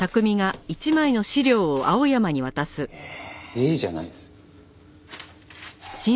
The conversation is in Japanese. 「ええ」じゃないです。